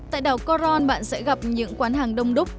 tại đảo caron bạn sẽ gặp những quán hàng đông đúc